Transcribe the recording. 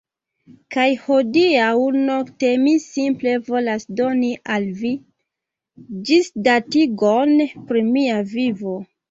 Kaj hodiaŭ nokte mi simple volas doni al vi, ĝisdatigon pri mia vivo